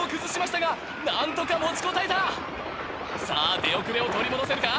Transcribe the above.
さぁ出遅れを取り戻せるか？